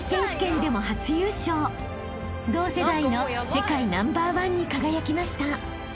［同世代の世界ナンバーワンに輝きました］